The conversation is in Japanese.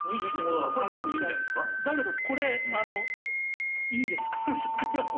だけど、これ、いいです感触が。